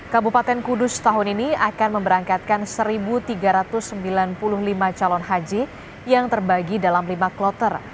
kabupaten kudus tahun ini akan memberangkatkan satu tiga ratus sembilan puluh lima calon haji yang terbagi dalam lima kloter